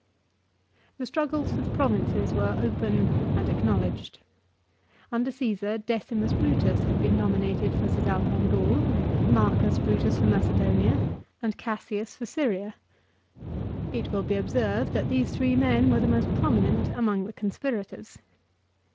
The struggles for the provinces were open and acknowledged. Under Caesar, Decimus Brutus had been nominated for Cis alpine Gaul, Marcus Brutus for Macedonia, and Cassius for 1 Ad Att. lib. xvi. 14. 248 LIFE OF CICERO. Syria. It will be observed that these three men were the most prominent among the conspirators.